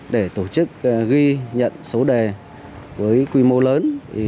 để tổ chức ghi nhận số đề với quy mô lớn